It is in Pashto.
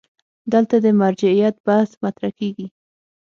دلته د مرجعیت بحث مطرح کېږي.